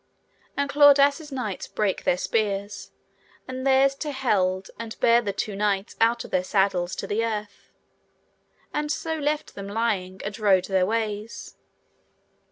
And Claudas' knights brake their spears, and theirs to held and bare the two knights out of their saddles to the earth, and so left them lying, and rode their ways.